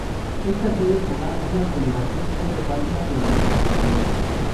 Estas, suelen tomar una coloración verde pálida durante su desarrollo.